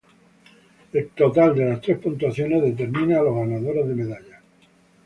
El total de la tres puntuaciones determina a los ganadores de medallas.